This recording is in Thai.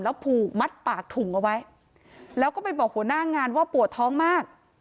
ผูกมัดปากถุงเอาไว้แล้วก็ไปบอกหัวหน้างานว่าปวดท้องมาก